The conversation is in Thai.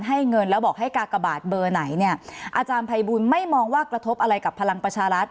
เงินแล้วบอกให้กากบาทเบอร์ไหนเนี่ยอาจารย์ภัยบูลไม่มองว่ากระทบอะไรกับพลังประชารัฐ